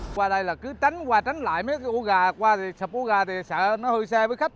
qua đây là cứ tránh qua tránh lại mấy cái ổ gà qua thì sập ổ gà thì sợ nó hơi xe với khách